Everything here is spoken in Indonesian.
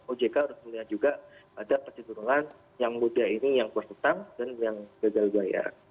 ojk harus melihat juga ada kecenderungan yang muda ini yang berhutang dan yang gagal bayar